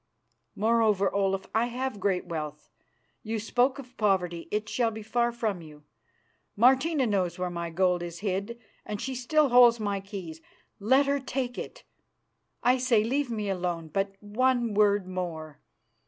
Moreover, Olaf, I have great wealth. You spoke of poverty; it shall be far from you. Martina knows where my gold is hid, and she still holds my keys. Let her take it. I say leave me alone, but one word more.